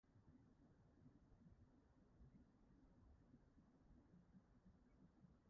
Cafodd goleuo a gatiau tocynnau newydd eu gosod.